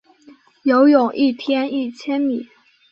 游泳一天一千米